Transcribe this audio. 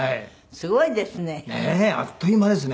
すごいですね。